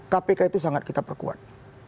kpk itu sangat kita perkuat